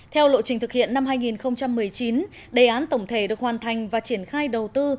theo lộ trình thực hiện năm hai nghìn một mươi chín đề án tổng thể được hoàn thành và triển khai đầu tư